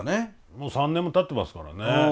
もう３年もたってますからね。